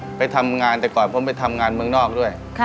ผมไปทำงานแต่ก่อนผมไปทำงานเมืองนอกด้วย